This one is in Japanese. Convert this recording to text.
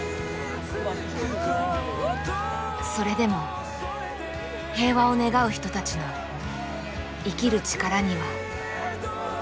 それでも平和を願う人たちの生きる力にはなれる。